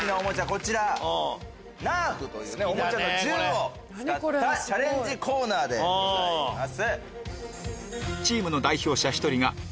こちらナーフというオモチャの銃を使ったチャレンジコーナーでございます。